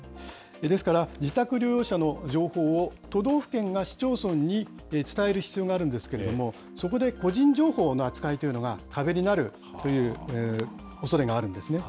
ですから、自宅療養者の情報を都道府県が市町村に伝える必要があるんですけれども、そこで個人情報の扱いというのが壁になるというおそれがあるんですね。